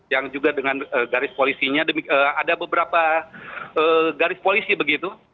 yang juga dengan garis polisinya ada beberapa garis polisi begitu